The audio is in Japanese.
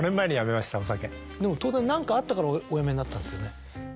でも当然何かあったからおやめになったんですよね。